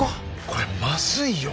これまずいよ」